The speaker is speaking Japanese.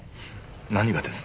何がです？